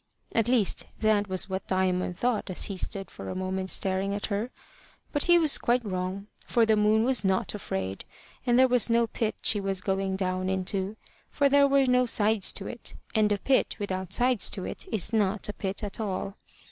At least that was what Diamond thought as he stood for a moment staring at her. But he was quite wrong, for the moon was not afraid, and there was no pit she was going down into, for there were no sides to it, and a pit without sides to it is not a pit at all.